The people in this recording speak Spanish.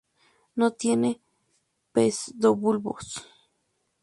No tiene pseudobulbos.